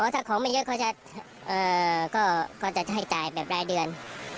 ถ้าของไม่เยอะก็จะให้จ่ายแบบรายเดือน